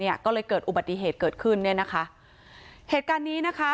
เนี่ยก็เลยเกิดอุบัติเหตุเกิดขึ้นเนี่ยนะคะเหตุการณ์นี้นะคะ